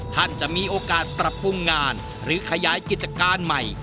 ท่านจะมีโอกาสปรับปรุงงานหรือขยายกิจการใหม่